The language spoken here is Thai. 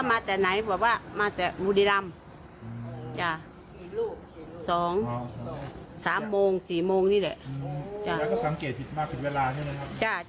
มากี่วันเพราะว่าอยากเจอไม่มากี่วัน